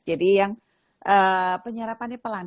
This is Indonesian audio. jadi yang penyerapannya pelan